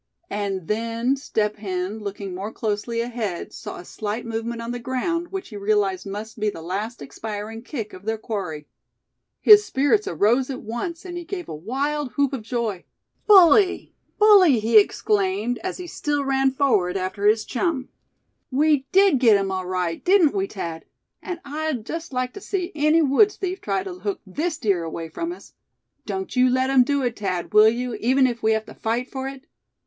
And then, Step Hen, looking more closely ahead, saw a slight movement on the ground, which he realized must be the last expiring kick of their quarry. His spirits arose at once, and he gave a wild whoop of joy. "Bully! bully!" he exclaimed, as he still ran forward after his chum; "we did get him all right, didn't we, Thad? And I'd just like to see any woods' thief try to hook this deer away from us. Don't you let 'em do it, Thad, will you, even if we have to fight for it?"